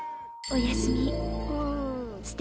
「おやすみ。